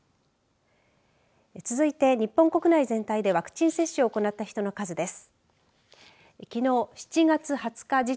続いて日本国内全体でワクチン接種を行った人の数です。